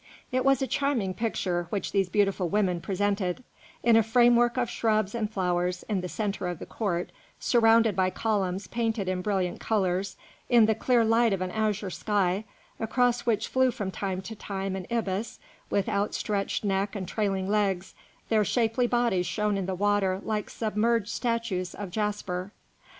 It was a charming picture which these beautiful women presented; in a framework of shrubs and flowers, in the centre of the court, surrounded by columns painted in brilliant colours, in the clear light of an azure sky, across which flew from time to time an ibis with outstretched neck and trailing legs, their shapely bodies shone in the water like submerged statues of jasper.